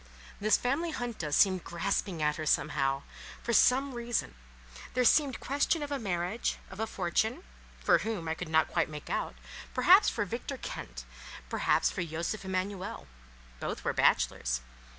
This family junta seemed grasping at her somehow, for some reason; there seemed question of a marriage, of a fortune—for whom I could not quite make out—perhaps for Victor Kint, perhaps for Josef Emanuel—both were bachelors.